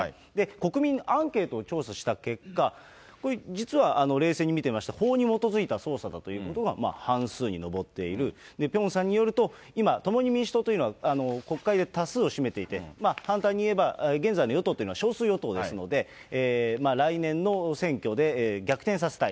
国民にアンケート調査をした結果、これ、実は冷静に見てまして、法に基づいた捜査だという方が半数に上っている、ピョンさんによると、今、共に民主党というのは、国会で多数を占めていて、簡単に言えば現在の与党というのは少数与党ですので、来年の選挙で逆転させたい。